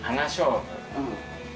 うん。